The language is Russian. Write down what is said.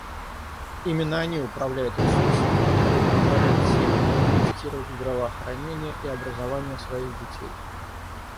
Именно они управляют ресурсами, которые позволяют семьям инвестировать в здравоохранение и образование своих детей.